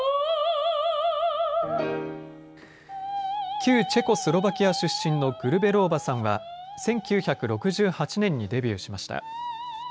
旧チェコスロバキア出身のグルベローバさんは１９６８年にデビューしました。